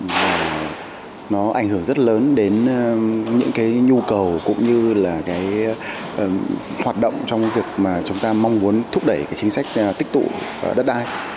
và nó ảnh hưởng rất lớn đến những cái nhu cầu cũng như là cái hoạt động trong việc mà chúng ta mong muốn thúc đẩy cái chính sách tích tụ đất đai